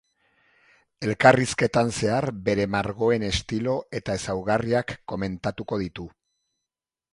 Elkarrizketan zehar, bere margoen estilo eta ezaugarriak komentatuko ditu.